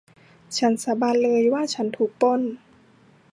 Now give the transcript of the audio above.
ฉันสาบานเลยว่าฉันถูกปล้น